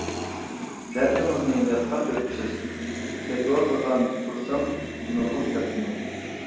دەردىڭىزنى ياتقا تۆكۈپسىز، سېتىۋالىدىغان تۇرسام نۇرغۇن دەردنى.